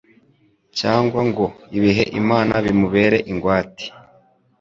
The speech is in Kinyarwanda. cyangwa ngo abihe Imana bimubere ingwate